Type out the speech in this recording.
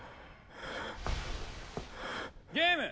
ゲーム！